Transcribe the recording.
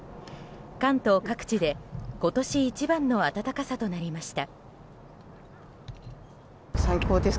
関東各地で今年一番の暖かさとなりました。